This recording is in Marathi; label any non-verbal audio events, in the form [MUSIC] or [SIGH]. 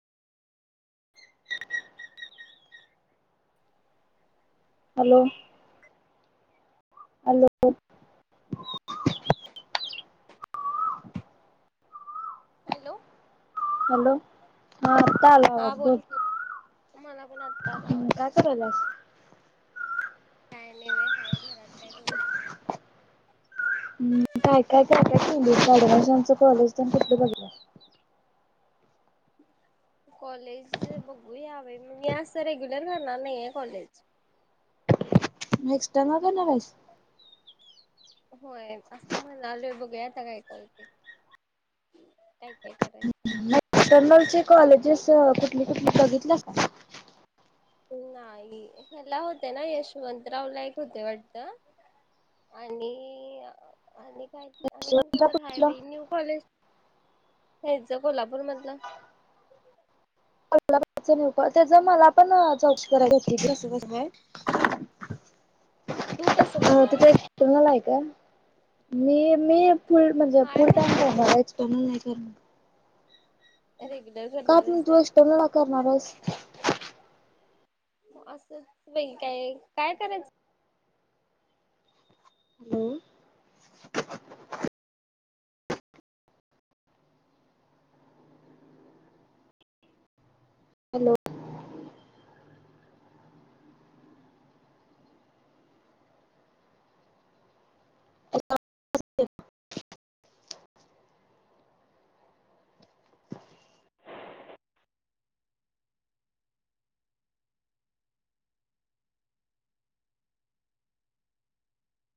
हॅलो. हॅलो. हॅलो. हॅलो. हा आता आला हा आवाज बोल, की मला पण आत्ता आला आवाज काय करायलास? काय नाही हाय घरात काय करू. हम काय काय झालं केलीस, ऍडमिशन कॉलेजची तेन कुठलं बघितल्यास? कॉलेज बघू यावेळी, मी असं रेग्युलर करणार नाही आहे कॉलेज. एक्सटर्नल घेणार हाइस? होय असं म्हणालोय, बघूया आता काय करायचं ते काय काय करायचं? एक्सटर्नलची कॉलेजेस कुठली कुठली बघितल्यास का? नाही हेला होतं ना, यशवंतरावला एक होतयं वाटतं आणि आणि काय आणि कोणतं एक्सटर्नलला तर हाय कुठलं बाई न्यू कॉलेज हेच कोल्हापूर मधलं. [UNINTELLIGIBLE] नको त्याच मला पण चौकशी करायची होती कसं कसं काय? तू कसं अ करणार आहे तिथे एक्सटेर्नल हाय काय? मी मी फूल म्हणजे हाय फूल टाइम बहुतेक ते घेणारे एक्सटरनल नाही. असेल? रेग्युलर का करणार पण आहेस तू काय एक्सर्टनला करणार आहेस? असंचं बाई काय काय करायचं? हम. हॅलो